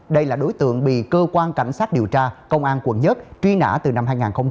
đây là đối tượng bị cơ quan cảnh sát điều tra công an quận một truy nã từ năm hai nghìn bảy